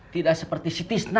tidak seperti si tisna